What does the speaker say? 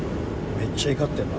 めっちゃ怒ってんな。